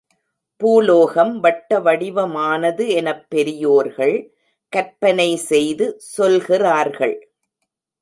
பூலோகம் வட்டவடிவமானது எனப் பெரியோர்கள் கற்பனை செய்து சொல்கிறார்கள்.